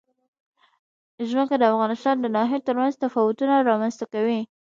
ځمکه د افغانستان د ناحیو ترمنځ تفاوتونه رامنځ ته کوي.